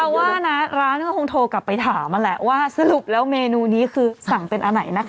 เอาว่านะร้านก็คงโทรกลับไปถามนั่นแหละว่าสรุปแล้วเมนูนี้คือสั่งเป็นอันไหนนะคะ